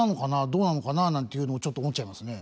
どうなのかななんていうのをちょっと思っちゃいますね。